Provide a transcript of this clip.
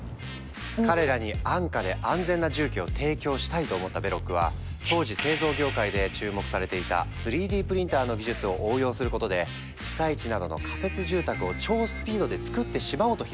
彼らに安価で安全な住居を提供したいと思ったベロックは当時製造業界で注目されていた３Ｄプリンターの技術を応用することで被災地などの仮設住宅を超スピードでつくってしまおう！とひらめいた。